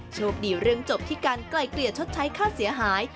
โชคดีเรื่องจบที่การไกลเกลี่ยชดใช้ค่าเสียหาย